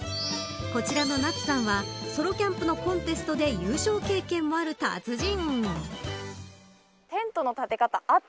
こちらのＮＡＴＳＵさんはソロキャンプのコンテストで優勝経験もある達人。